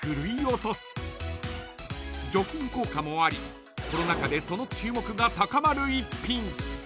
［除菌効果もありコロナ禍でその注目が高まる逸品］